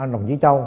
đồng chí châu